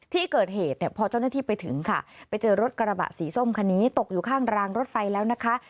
ที่เกิดเหตุเนี่ยพอเจ้าหน้าที่ไปถึงค่ะไปเจอรถกระบะสีส้มคันนี้ตกอยู่ข้างรางรถไฟแล้วนะคะ